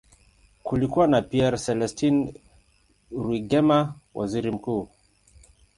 Kulikuwa na Pierre Celestin Rwigema, waziri mkuu.